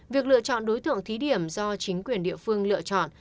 việc lựa chọn đối tượng thí điểm do chính quyền địa phương lựa chọn